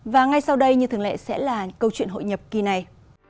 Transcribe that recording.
và ngay sau đây như thường lệ sẽ là câu chuyện hội nhập kỳ này